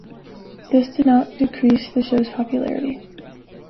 This did not decrease the show's popularity.